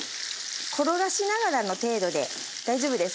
転がしながらの程度で大丈夫です。